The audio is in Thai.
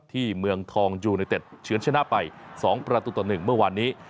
เมืองทองยูเนเต็ดเฉือนชนะไป๒ประตูต่อ๑เมื่อวานนี้